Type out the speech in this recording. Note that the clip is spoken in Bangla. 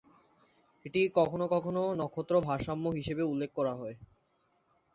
এটি কখনও কখনও নক্ষত্র ভারসাম্য হিসাবে উল্লেখ করা হয়।